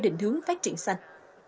định hướng phát triển xanh